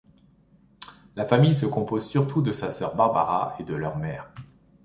La famille se compose surtout de sa sœur Barbara et de leur mère.